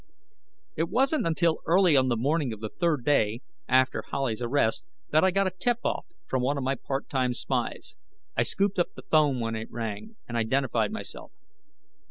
It wasn't until early on the morning of the third day after Howley's arrest that I got a tip off from one of my part time spies. I scooped up the phone when it rang and identified myself.